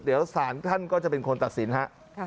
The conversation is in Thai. เดี๋ยวสารท่านก็จะเป็นคนตัดสินฮะ